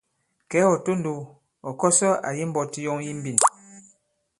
Kɛ̌ ɔ̀ tondow, ɔ̀ kɔsɔ àyi mbɔti yɔŋ yi mbîn.